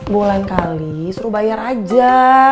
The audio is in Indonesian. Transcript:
bulan kali suruh bayar aja